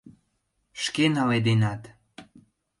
Шке наледенат!